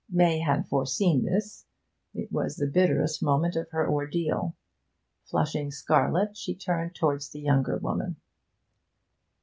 May had foreseen this. It was the bitterest moment of her ordeal. Flushing scarlet, she turned towards the younger woman.